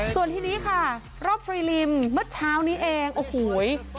ส่วนทีนี้ค่ะรอบฟรีลิมเมื่อเช้านี้เองโอ้โห